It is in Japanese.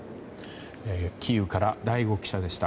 キーウから醍醐記者でした。